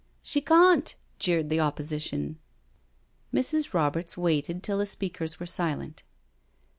" She cawnti" jeered the opposition. Mrs. Roberts waited till the speakers were silent.